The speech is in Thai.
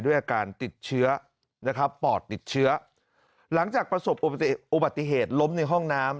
อาการติดเชื้อนะครับปอดติดเชื้อหลังจากประสบอุบัติเหตุล้มในห้องน้ำ